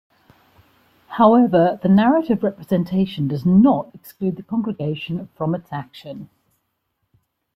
However, the narrative representation does not exclude the congregation from its action.